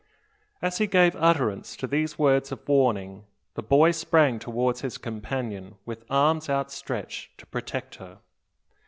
As he gave utterance to these words of warnings the boy sprang towards his companion, with arms outstretched, to protect her.